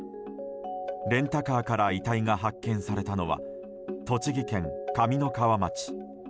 レンタカーから遺体が発見されたのは栃木県上三川町。